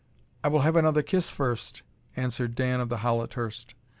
"I will have another kiss first," answered Dan of the Howlet hirst.